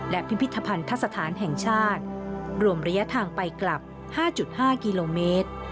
และพิพิธภัณฑ์ทัศนฐานแห่งชาติรวมระยะทางไปกลับห้าจุดห้ากิโลเมตร